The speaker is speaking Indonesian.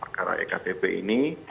perkara ektp ini